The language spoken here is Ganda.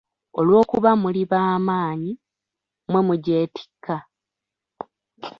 “Olw'okuba muli b'amaanyi, mmwe mugyetikka.